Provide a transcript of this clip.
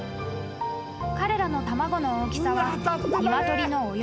［彼らの卵の大きさは］